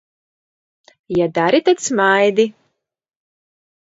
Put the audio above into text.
Ja dari, tad smaidi!